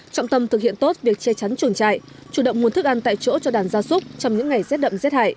trọng tâm thực hiện tốt việc che chắn chuồng trại chủ động nguồn thức ăn tại chỗ cho đàn gia súc trong những ngày rét đậm rét hại